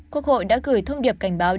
quốc hội đã gửi thông điệp cảnh báo